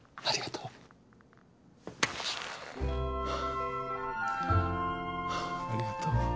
ありがとう。